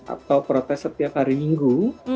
atau protes setiap hari minggu